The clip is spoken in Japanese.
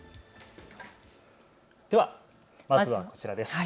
ではまずはこちらです。